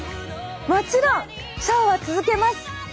もちろんショーは続けます。